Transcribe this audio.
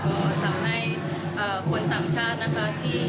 แล้วก็ทำให้คนต่างชาตินะคะ